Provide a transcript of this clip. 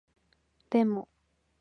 でも